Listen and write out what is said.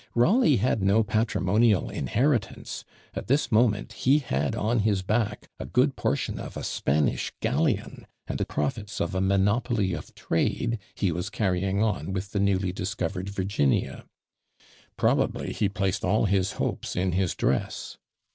Rawleigh had no patrimonial inheritance; at this moment he had on his back a good portion of a Spanish galleon, and the profits of a monopoly of trade he was carrying on with the newly discovered Virginia. Probably he placed all his hopes in his dress!